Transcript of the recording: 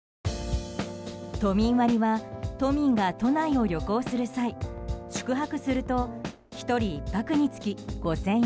都民割は都民が都内を旅行する際宿泊すると１人１泊につき５０００円